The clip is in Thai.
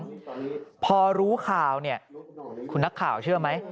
ใจร้อนพอรู้ข่าวคุณนักข่าวเชื่อไหม